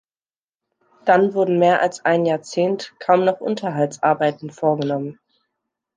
Dann wurden mehr als ein Jahrzehnt kaum noch Unterhaltsarbeiten vorgenommen.